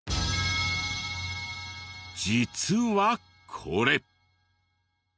実はこれ。